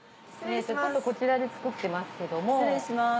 ちょっとこちらで作ってますけども。